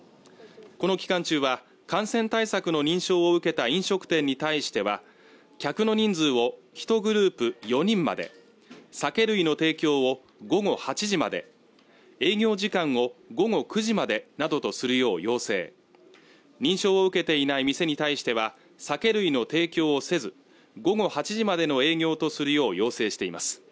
この期間中は感染対策の認証を受けた飲食店に対しては客の人数を１グループ４人まで酒類の提供を午後８時まで営業時間を午後９時までなどとするよう要請認証を受けていない店に対しては酒類の提供をせず午後８時までの営業とするよう要請しています